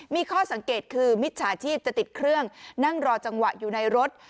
มีข้อสังเกตคือมิจฉาชีพจะติดเครื่องนั่งรอจังหวะอยู่ในรถ